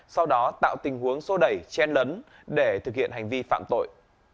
sau đó tạo tình huống sô đẩy chen lấn để thực hiện hành vi phạm tội